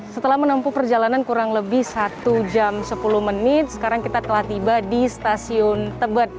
setelah menempuh perjalanan kurang lebih satu jam sepuluh menit sekarang kita telah tiba di stasiun tebet